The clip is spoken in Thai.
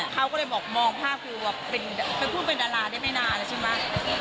เขาก็เลยบอกมองภาพคือแบบเป็นผู้เป็นดาราได้ไม่นานแล้วใช่ไหม